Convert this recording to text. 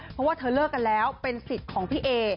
เพราะว่าเธอเลิกกันแล้วเป็นสิทธิ์ของพี่เอ